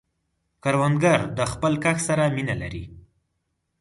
کروندګر د خپل کښت سره مینه لري